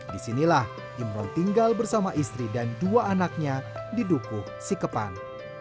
disinilah imron tinggal bersama istri dan dua anaknya di dukuh sikepan